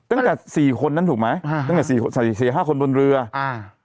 ตั้งแต่สี่คนนั้นถูกไหมอ่าตั้งแต่สี่สี่ห้าคนบนเรืออ่า